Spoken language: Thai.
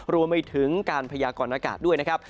รวมไปถึงการพยากรณากาศด้วยนะครับ